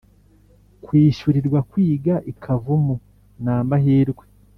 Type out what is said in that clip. kwishyurirwa kwiga i kavumu namahirwe